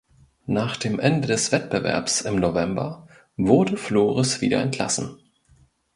Nach dem Ende des Wettbewerbs im November wurde Flores wieder entlassen.